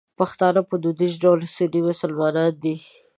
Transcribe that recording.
پښتانه په دودیز ډول سني مسلمانان دي.